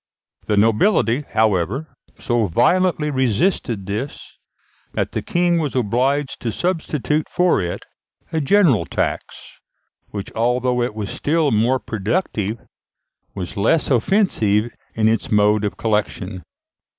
The nobility, however, so violently resisted this, that the King was obliged to substitute for it a general tax, which, although it was still more productive, was less offensive in its mode of collection.